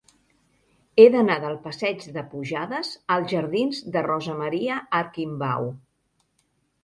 He d'anar del passeig de Pujades als jardins de Rosa Maria Arquimbau.